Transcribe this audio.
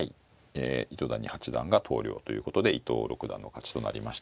糸谷八段が投了ということで伊藤六段の勝ちとなりましたけども。